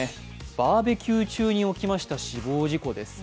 バーベキュー中に起きました死亡事故です。